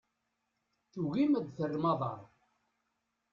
Tugim ad terrem aḍar.